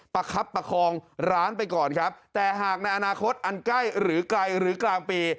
คับประคองร้านไปก่อนครับแต่หากในอนาคตอันใกล้หรือไกลหรือกลางปี